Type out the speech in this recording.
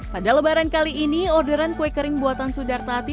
pada lebaran kali ini orderan kue kering buatan sudartati